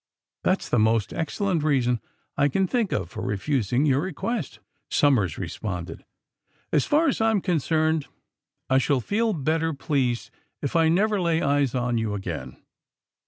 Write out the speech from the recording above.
*^ That's the most excellent reason I can think of for refusing your request," Somers re sponded. '*As far as I'm concerned, I shall feel better pleased if I never lay eyes on you again."